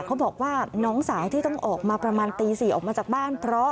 เขาบอกว่าน้องสาวที่ต้องออกมาประมาณตี๔ออกมาจากบ้านเพราะ